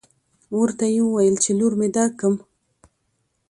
ورته يې وويل چې لور مې درکم.